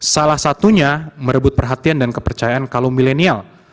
salah satunya merebut perhatian dan kepercayaan kaum milenial